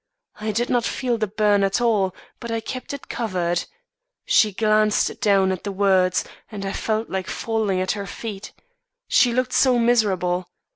I did not feel the burn at all, but I kept it covered. She glanced down at the words; and I felt like falling at her feet, she looked so miserable.